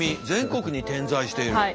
全国に点在している。